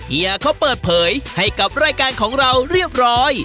เฮียเขาเปิดเผยให้กับรายการของเราเรียบร้อย